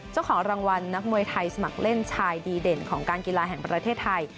เจ้าของรางวัลนักมวยไทยสมัครเล่นชายดีเด่นของการกีฬาแห่งประเทศไทย